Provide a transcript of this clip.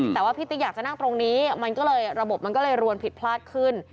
แต่ว่าพี่ติ๊กอยากจะนั่งตรงนี้มันก็เลยระบบมันก็เลยรวนผิดพลาดขึ้น